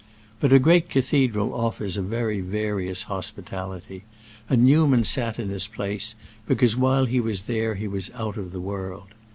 But a great cathedral offers a very various hospitality, and Newman sat in his place, because while he was there he was out of the world.